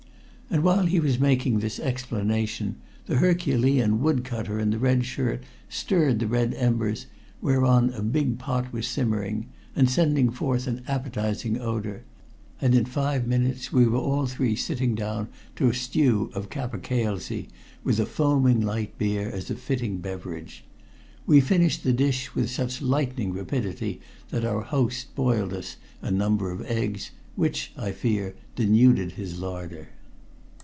And while he was making this explanation the herculean wood cutter in the red shirt stirred the red embers whereon a big pot was simmering, and sending forth an appetizing odor, and in five minutes we were all three sitting down to a stew of capercailzie, with a foaming light beer as a fitting beverage. We finished the dish with such lightning rapidity that our host boiled us a number of eggs, which, I fear, denuded his larder.